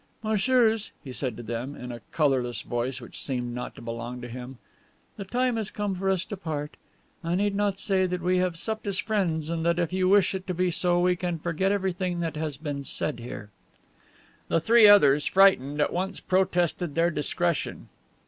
"Messieurs," he said to them, in a colorless voice which seemed not to belong to him, "the time has come for us to part. I need not say that we have supped as friends and that, if you wish it to be so, we can forget everything that has been said here." The three others, frightened, at once protested their discretion.